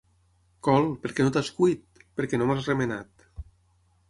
Col, per què no t'has cuit? Perquè no m'has remenat.